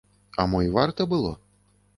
А мо і варта было?